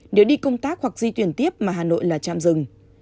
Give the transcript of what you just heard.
nếu đi công tác hoặc di tuyển tiếp mà hà nội là chạm rừng